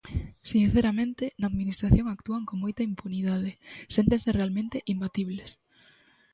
Sinceramente, na Administración actúan con moita impunidade, séntense realmente imbatibles.